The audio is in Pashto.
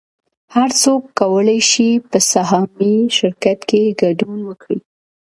هر څوک کولی شي په سهامي شرکت کې ګډون وکړي